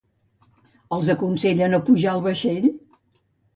Els aconsella no pujar al vaixell?